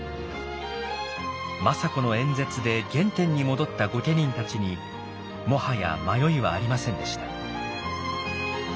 政子の演説で原点に戻った御家人たちにもはや迷いはありませんでした。